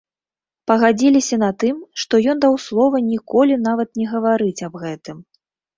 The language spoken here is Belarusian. Пагадзіліся на тым, што ён даў слова ніколі нават не гаварыць аб гэтым.